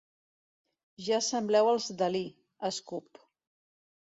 Ja sembleu els Dalí –escup–.